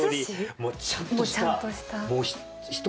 もうちゃんとした。